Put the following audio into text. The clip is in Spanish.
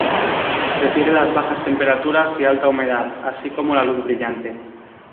Prefiere las bajas temperaturas y alta humedad, así como la luz brillante.